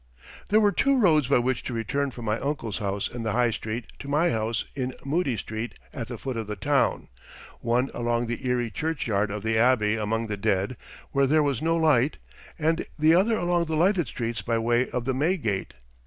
There were two roads by which to return from my uncle's house in the High Street to my home in Moodie Street at the foot of the town, one along the eerie churchyard of the Abbey among the dead, where there was no light; and the other along the lighted streets by way of the May Gate.